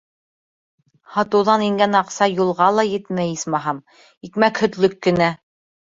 Һатыуҙан ингән аҡса юлға ла етмәй, исмаһам, икмәк-һөтлөк кенә.